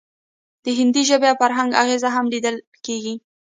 د هندي ژبې او فرهنګ اغیز هم لیدل کیږي